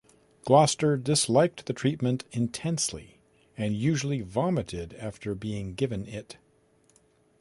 Gloucester disliked the treatment intensely, and usually vomited after being given it.